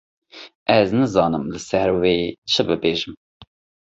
Ez nizanim li ser vê çi bibêjim.